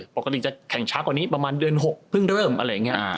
ปกติจะแข่งช้ากว่านี้ประมาณเดือน๖เพิ่งเริ่มอะไรอย่างนี้